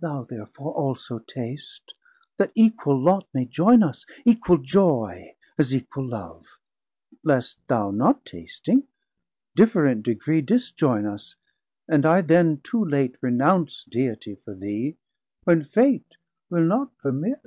880 Thou therefore also taste, that equal Lot May joyne us, equal Joy, as equal Love; Least thou not tasting, different degree Disjoyne us, and I then too late renounce Deitie for thee, when Fate will not permit.